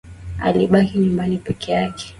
Alibaki nyumbani peke yake